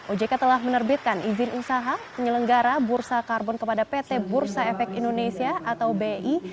ojk telah menerbitkan izin usaha penyelenggara bursa karbon kepada pt bursa efek indonesia atau bi